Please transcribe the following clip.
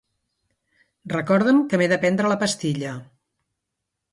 Recorda'm que m'he de prendre la pastilla.